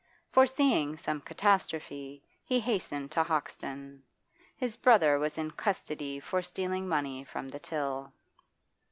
Foreseeing some catastrophe, he hastened to Hoxton. His brother was in custody for stealing money from the till.